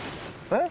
えっ？